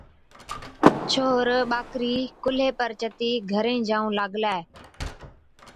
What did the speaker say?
ڇوهر ٻاڪرِي ڪُلهي پر چتِي گھرين جائُون لاگلي،